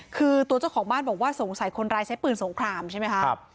คือตัวเจ้าของบ้านบอกว่าสงสัยคนร้ายใช้ปืนสงครามใช่ไหมคะ